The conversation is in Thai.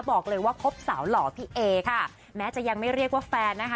บอกเลยว่าครบสาวหล่อพี่เอค่ะแม้จะยังไม่เรียกว่าแฟนนะคะ